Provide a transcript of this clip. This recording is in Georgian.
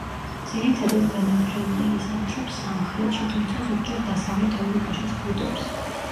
ძირითადად გადამფრენია, იზამთრებს სამხრეთში, თუმცა ზოგჯერ დასავლეთ ევროპაშიც ბუდობს.